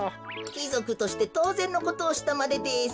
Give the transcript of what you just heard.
きぞくとしてとうぜんのことをしたまでです。